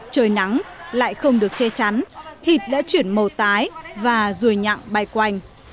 trời nắng lại không được che chắn thịt đã chuyển màu tái và ruồi nhặng bay quanh